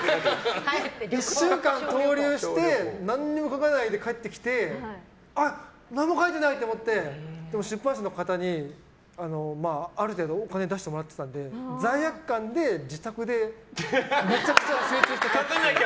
１週間逗留して何も書かないで帰ってきて何も書いてないと思って出版社の方に、ある程度お金を出してもらってたので罪悪感で自宅でめちゃくちゃ集中して書く。